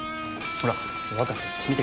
ほら。